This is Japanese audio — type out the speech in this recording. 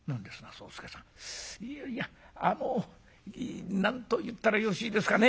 「いやいやあの何と言ったらよろしいですかね。